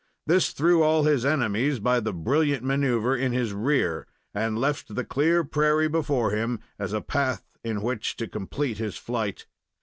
This threw all his enemies, by the brilliant maneuver, in his rear, and left the clear prairie before him as a path in which to complete his flight.